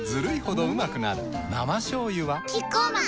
生しょうゆはキッコーマン